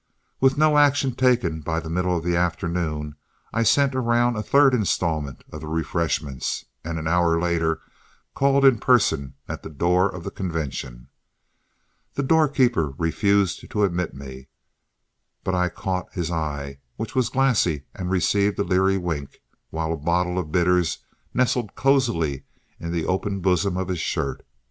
With no action taken by the middle of the afternoon, I sent around a third installment of refreshments, and an hour later called in person at the door of the convention. The doorkeeper refused to admit me, but I caught his eye, which was glassy, and received a leery wink, while a bottle of bitters nestled cosily in the open bosom of his shirt.